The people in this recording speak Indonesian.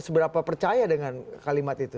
seberapa percaya dengan kalimat itu